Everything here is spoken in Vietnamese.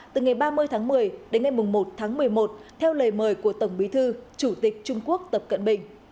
từ ngày ba mươi tháng một mươi đến ngày một tháng một mươi một theo lời mời của tổng bí thư chủ tịch trung quốc tập cận bình